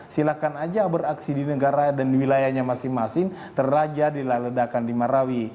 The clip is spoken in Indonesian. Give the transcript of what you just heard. silahkan aja beraksi di negara dan di wilayahnya masing masing terlajar di ledakan di marawi